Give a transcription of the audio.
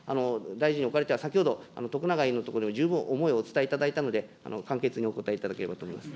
大臣におかれては、先ほど、徳永委員のところで十分思いをお伝えいただいたので、簡潔にお答えいただければと思います。